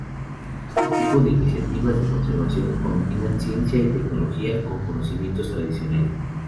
Este tipo de iniciativas de conservación combinan ciencia y tecnología con conocimientos tradicionales.